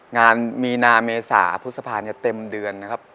งานมีนาเมษาพฤษภาเนี่ยเต็มเดือนนะครับ